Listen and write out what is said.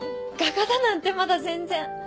画家だなんてまだ全然。